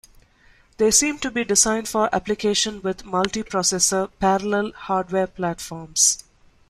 They seem to be designed for application with multiprocessor parallel hardware platforms.